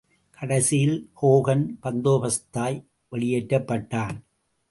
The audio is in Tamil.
கடைசியில் ஹோகன் பந்தோபஸ்தாய் வெளியேற்றப்பட்டான்.